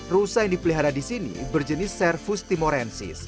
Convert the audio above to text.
rusa yang dipelihara di sini berjenis serfus timorensis